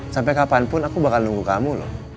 sampai kapanpun aku bakal nunggu kamu loh